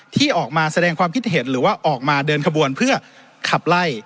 ที่ออกมาแสดงความคิดเห็นหรือว่าออกมาเดินขบวนเพื่อขับไล่